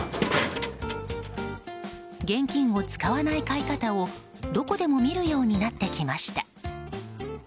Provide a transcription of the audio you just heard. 現金を使わない買い方をどこでも見るようになってきました。